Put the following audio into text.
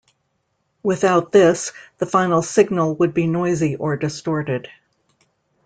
Without this, the final signal would be noisy or distorted.